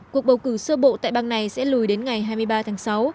cuộc bầu cử sơ bộ tại bang này sẽ lùi đến ngày hai mươi ba tháng sáu